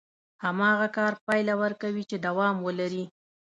هماغه کار پايله ورکوي چې دوام ولري.